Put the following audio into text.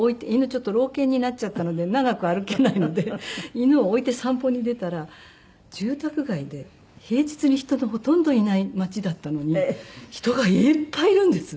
ちょっと老犬になっちゃったので長く歩けないので犬を置いて散歩に出たら住宅街で平日に人のほとんどいない街だったのに人がいっぱいいるんです。